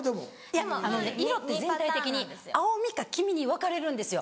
いやあのね色って全体的に青みか黄みに分かれるんですよ。